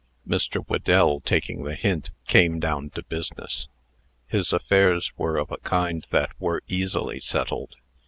Mr. Whedell, taking the hint, came down to business. His affairs were of a kind that were easily settled.